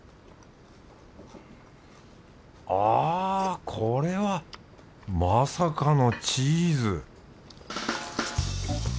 あこれはまさかのチーズ！